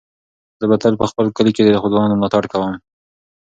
زه به تل په خپل کلي کې د ځوانانو ملاتړ کوم.